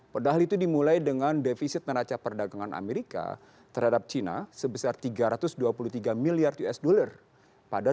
padahal itu dimulai dengan defisit neraca perdagangan amerika terhadap cina sebesar tiga ratus dua puluh tiga miliar usd pada dua ribu dua puluh